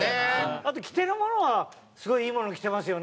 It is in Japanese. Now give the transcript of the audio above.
あと「着てるものはすごいいいもの着てますよね」。